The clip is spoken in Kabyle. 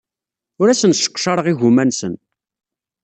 Ur asen-sseqcareɣ igumma-nsen.